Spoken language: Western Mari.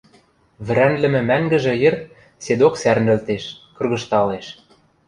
«вӹрӓнлӹмӹ мӓнгӹжӹ» йӹр седок сӓрнӹлтеш, кыргыжталеш.